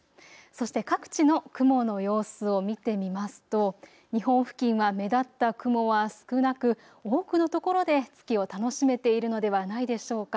そして各地の雲の様子を見てみますと日本付近は目立った雲は少なく多くの所で月を楽しめているのではないでしょうか。